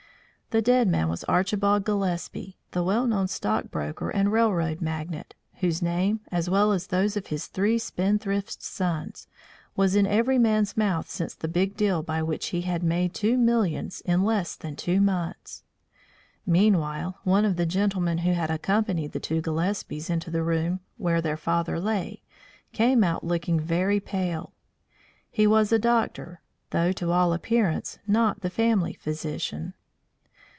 The dead man was Archibald Gillespie, the well known stockbroker and railroad magnate, whose name, as well as those of his three spendthrift sons, was in every man's mouth since that big deal by which he had made two millions in less than two months. Meanwhile one of the gentlemen who had accompanied the two Gillespies into the room where their father lay, came out looking very pale. He was a doctor, though to all appearance not the family physician.